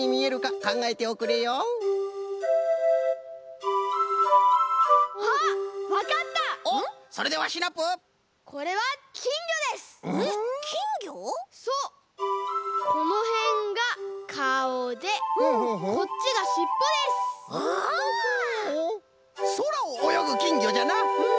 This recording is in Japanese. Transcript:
そらをおよぐキンギョじゃな！